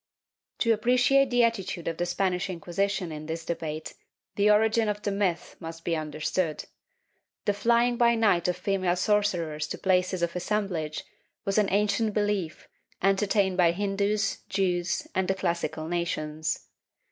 To appreciate the attitude of the Spanish Inquisition in this debate the origin of the myth must be understood. The flying by night of female sorcerers to places of assemblage was an ancient behef , entertained by Hindus, Jews and the classical nations.